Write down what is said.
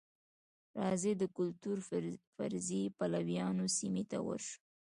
راځئ د کلتور فرضیې پلویانو سیمې ته ورشو.